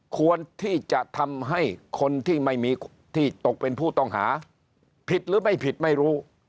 ควรที่จะทำให้คนที่ไม่มีที่ตกเป็นผู้ต้องหาผิดหรือไม่ผิดไม่รู้